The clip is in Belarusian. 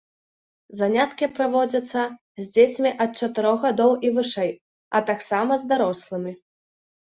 Заняткі праводзяцца з дзецьмі ад чатырох гадоў і вышэй, а таксама з дарослымі.